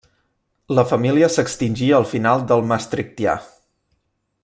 La família s'extingí al final del Maastrichtià.